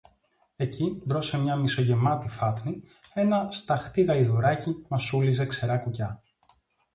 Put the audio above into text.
Εκεί, μπρος σε μια μισογεμάτη φάτνη, ένα σταχτί γαϊδουράκι μασούλιζε ξερά κουκιά